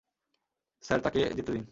Sir, তাকে যেতে দিন!